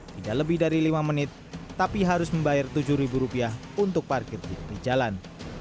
tidak lebih dari lima menit tapi harus membayar tujuh rupiah untuk parkir di jalan